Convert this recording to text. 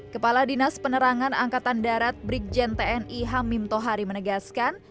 kepala dinas penerangan angkatan darat brikjen tni hamim tohari menegaskan